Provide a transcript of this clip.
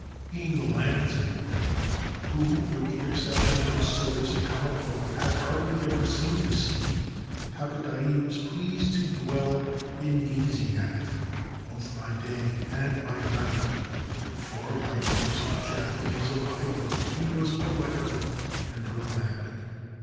Being a landsman who (with the excep tion of his service at Kamakura) had hardly ever seen the sea, Takadai was pleased to dwell in gazing at it both by day and by night, for, like most Japanese oi high birth, he was poetical and romantic.